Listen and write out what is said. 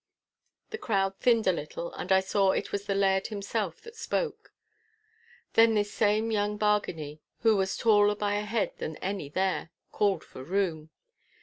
The crowd thinned a little, and I saw it was the Laird himself that spoke. Then this same young Bargany, who was taller by a head than any there, called for room.